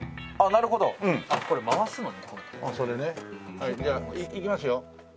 はいじゃあいきますよ。